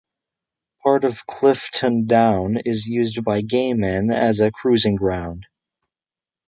Part of Clifton Down is used by gay men as a cruising ground.